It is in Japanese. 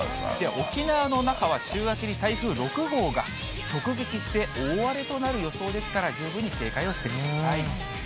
沖縄の那覇は週明けに台風６号が直撃して大荒れとなる予想ですから、十分に警戒をしてください。